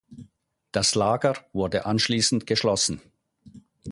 Das Lager wurde anschließend geschlossen.